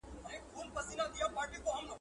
بڼوال به په اوږه باندي ګڼ توکي ونه راوړي.